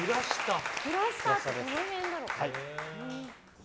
クラシタってどの辺だろう？